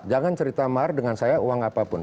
jangan cerita mahar dengan saya uang apapun